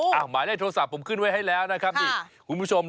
หมายเลขโทรศัพท์ผมขึ้นไว้ให้แล้วนะครับนี่คุณผู้ชม